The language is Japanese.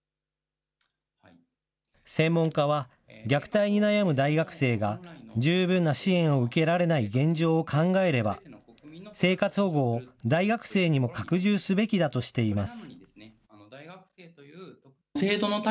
専門家は、虐待に悩む大学生が十分な支援を受けられない現状を考えれば、生活保護を大学生にも拡充すべきだとしています。